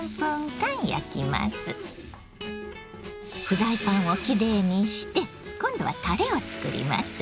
フライパンをきれいにして今度はたれをつくります。